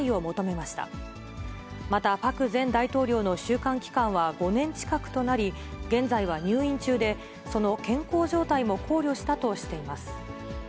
また、パク前大統領の収監期間は５年近くとなり、現在は入院中で、その健康状態も考慮したとしています。